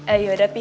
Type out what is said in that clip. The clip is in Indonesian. eh ya udah pi